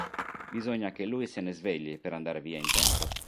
Bisogna che lui se ne svegli per andar via in tempo.